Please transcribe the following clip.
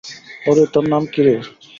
ওরে, তোর নাম কী রে?